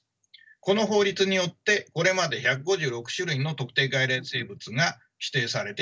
この法律によってこれまで１５６種類の特定外来生物が指定されてきました。